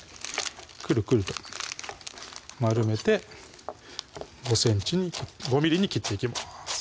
くるくると丸めて５ｍｍに切っていきます